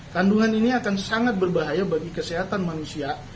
kandungan ini akan sangat berbahaya bagi kesehatan manusia